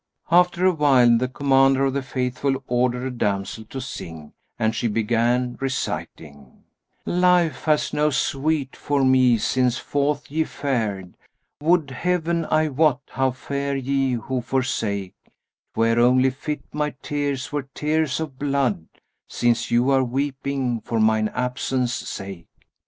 After awhile, the Commander of the Faithful ordered a damsel to sing, and she began reciting, 'Life has no sweet for me since forth ye fared; * Would Heaven I wot how fare ye who forsake: 'Twere only fit my tears were tears of blood, * Since you are weeping for mine absence sake.'